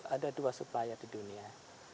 ada dua supplier di dunia